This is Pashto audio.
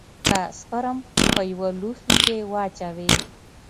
که سپرم په يوه لوښي کښې واچوې.